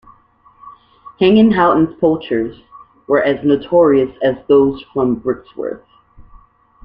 Hanging Houghton's poachers were as notorious as those from Brixworth.